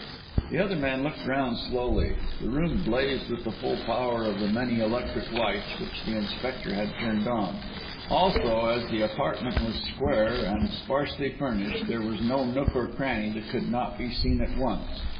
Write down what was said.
The other man looked round slowly. The room blazed with the full power of the many electric lights, which the Inspector had turned on; also, as the apartment was square and sparsely furnished, there was no nook or cranny that could not be seen at a glance.